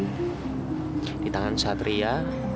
dengan tangan satria